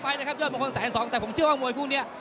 อะยกมีแสนสองแต่ผมเชื่อว่ามวยคู่นี้